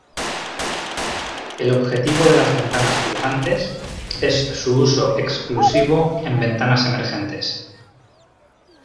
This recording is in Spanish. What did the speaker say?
El objetivo de las ventanas flotantes es su uso exclusivo en ventanas emergentes.